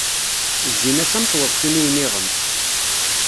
Zzin-as am tweḍfin i iniɣem.